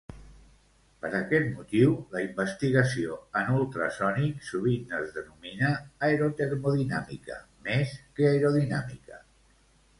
Per aquest motiu, la investigació en ultrasònics sovint es denomina aerotermodinàmica, més que aerodinàmica.